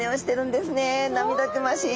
涙ぐましい。